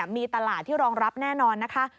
มีตลาดที่รองรับแน่นอนนะคะ